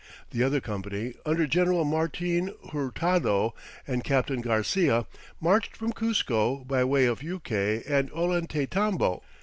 The other company, under General Martin Hurtado and Captain Garcia, marched from Cuzco by way of Yucay and Ollantaytambo.